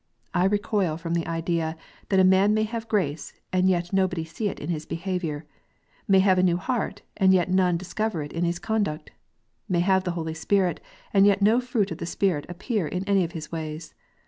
I recoil from the idea that a man may have grace, and yet nobody see it in his behaviour, may have a new heart, and yet none dis cover it in his conduct, may have the Holy Spirit, and yet no fruit of the Spirit appear in any of his ways.